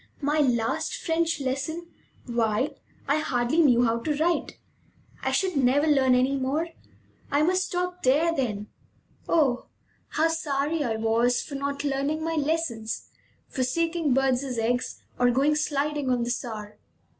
My last French lesson! Why, I hardly knew how to write! I should never learn any more! I must stop there, then! Oh, how sorry I was for not learning my lessons, for seeking birds' eggs, or going sliding on the Saar!